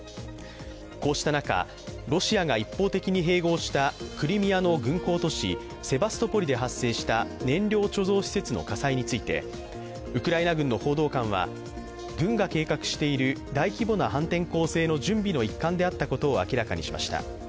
こうした中、ロシアが一方的に併合したクリミアの軍港都市、セバストポリで発生した燃料貯蔵施設の火災についてウクライナ軍の報道官は軍が計画している大規模な反転攻勢の準備の一環であったことを明らかにしました。